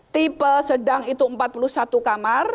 tipe sedang itu empat puluh satu kamar